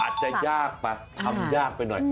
อาจจะยากไปทำยากไปหน่อย